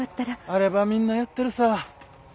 あればみんなやってるさ。